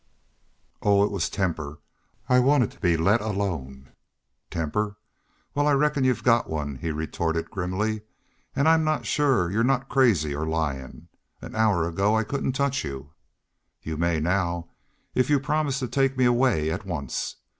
"Oh, it was temper. I wanted to be let alone." "Temper! Wal, I reckon y'u've got one," he retorted, grimly. "An' I'm not shore y'u're not crazy or lyin'. An hour ago I couldn't touch y'u." "Y'u may now if y'u promise to take me away at once.